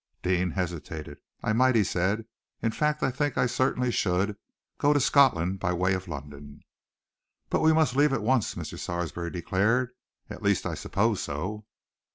Deane hesitated. "I might," he said, "in fact I think that I certainly should, go to Scotland by way of London." "But we must leave at once!" Mr. Sarsby declared. "At least I suppose so."